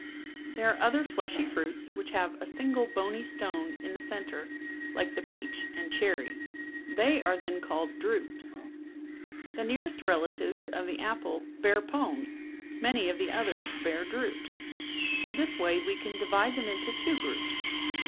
33 kl There are other fleshy fruits which have' a single bony stone in the center, like the peach and cherry. They are then called drupes. The nearest relatives of the apple bear pomes, many of the others bear drupes. In this way we can divide them into two groups.